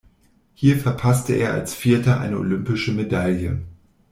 Hier verpasste er als Vierter eine olympische Medaille.